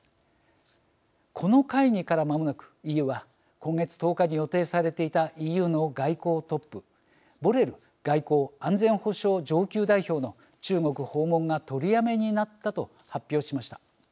この会議からまもなくＥＵは今月１０日に予定されていたＥＵの外交トップボレル外交安全保障上級代表の中国訪問が取りやめになったと発表しました。